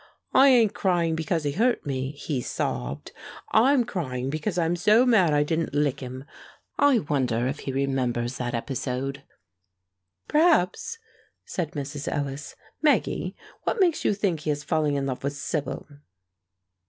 'I ain't crying because he hurt me,' he sobbed; 'I'm crying because I'm so mad I didn't lick him!' I wonder if he remembers that episode?" "Perhaps," said Mrs. Ellis. "Maggie, what makes you think he is falling in love with Sibyl?"